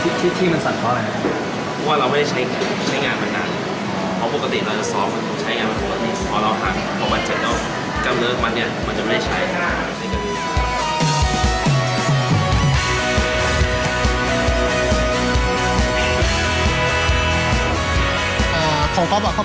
คิดที่มันสัดเพราะอะไรนะ